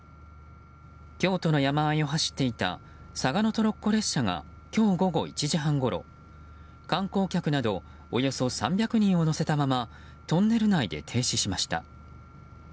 京都の山あいを走っていた嵯峨野トロッコ列車が今日午後１時半ごろ、観光客などおよそ３００人を乗せたままトンネル内で停止しました。